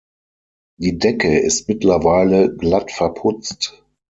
Die Decke ist mittlerweile glatt verputzt.